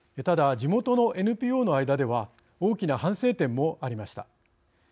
ただ、地元のＮＰＯの間では大きな反省点もありました。